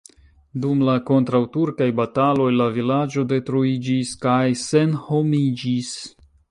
Dum la kontraŭturkaj bataloj la vilaĝo detruiĝis kaj senhomiĝis.